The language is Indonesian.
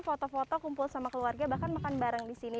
foto foto kumpul sama keluarga bahkan makan bareng di sini